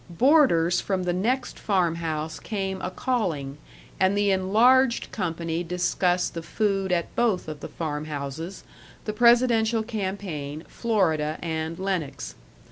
Boarders from the next farm house came a calling, and the enlarged company discussed the food at both of the farm houses, the presidential campaign, Florida, and Lenox.